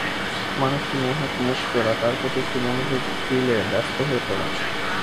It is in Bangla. মানুষটি নেহাত মুখচোরা, তার প্রতি একটু মনোযোগ দিলে ব্যস্ত হয়ে পড়ে।